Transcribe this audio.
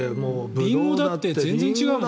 リンゴだって全然違うもんね。